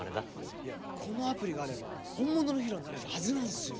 いやこのアプリがあれば本物のヒーローになれるはずなんですよ。